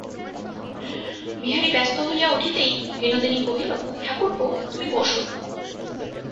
বিহারী ব্যস্ত হইয়া উঠিতেই বিনোদিনী কহিল, ঠাকুরপো, তুমি বসো।